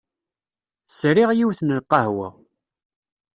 Sriɣ yiwet n lqahwa.